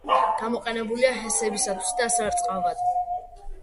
გამოყენებულია ჰესებისათვის და სარწყავად.